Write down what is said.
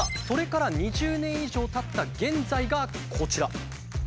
それから２０年以上たった現在がこちら。